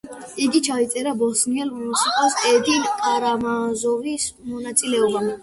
იგი ჩაიწერა ბოსნიელი მუსიკოს ედინ კარამაზოვის მონაწილეობით.